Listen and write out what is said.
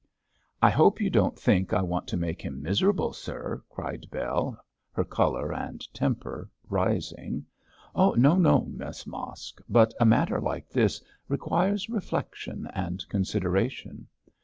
'I hope you don't think I want to make him miserable, sir,' cried Bell, her colour and temper rising. 'No! no! Miss Mosk. But a matter like this requires reflection and consideration.'